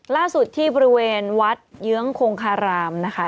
ล่าสุดที่บริเวณวัดเยื้องคงคารามนะคะ